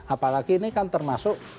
apalagi ini kan termasuk